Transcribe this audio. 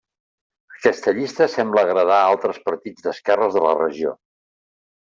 Aquesta llista sembla agradar a altres partits d'esquerres de la regió.